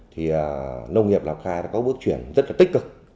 thì nông nghiệp lào cai có bước chuyển rất tích cực